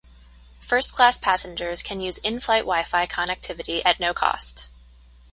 First Class passengers can use in-flight Wi-Fi connectivity at no cost.